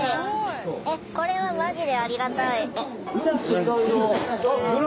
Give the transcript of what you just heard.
これはマジでありがたい。